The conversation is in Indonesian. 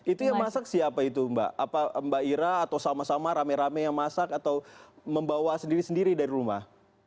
itu yang masak siapa itu mbak apa mbak ira atau sama sama rame rame yang masak atau membawa sendiri sendiri dari rumah